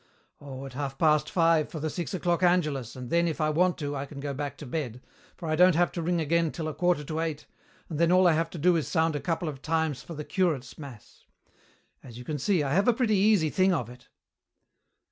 "Oh, at half past five for the six o'clock angelus, and then, if I want to, I can go back to bed, for I don't have to ring again till a quarter to eight, and then all I have to do is sound a couple of times for the curate's mass. As you can see, I have a pretty easy thing of it."